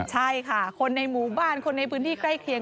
ใช่ค่ะคนในหมู่บ้านคนในพื้นที่ใกล้เคียง